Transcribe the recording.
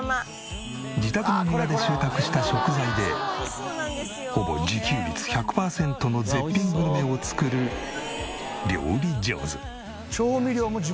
自宅の庭で収穫した食材でほぼ自給率１００パーセントの絶品グルメを作る料理上手。